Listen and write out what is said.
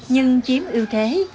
nhưng chiếm ưu thế